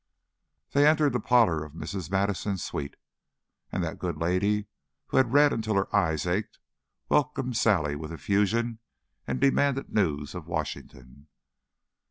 They entered the parlor of Mrs. Madison's suite, and that good lady, who had read until her eyes ached, welcomed Sally with effusion and demanded news of Washington.